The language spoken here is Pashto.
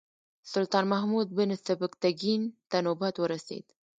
سلطان محمود بن سبکتګین ته نوبت ورسېد.